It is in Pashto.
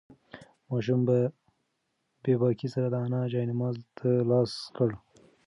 ماشوم په بې باکۍ سره د انا جاینماز ته لاس کړ.